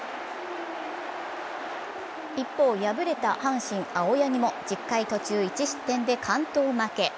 一方敗れた阪神・青柳も１０回途中１失点で完投負け。